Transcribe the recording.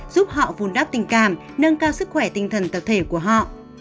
giúp họ vun đắp tình cảm nâng cao sức khỏe tinh thần tập thể của họ